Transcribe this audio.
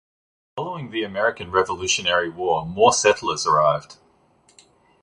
Following the American Revolutionary War more settlers arrived.